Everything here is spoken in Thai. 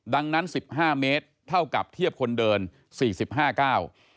ดังนั้น๑๕เมตรเท่ากับเทียบคนเดิน๔๕เก้า